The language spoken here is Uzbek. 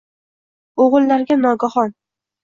O‘g‘illarga nogohon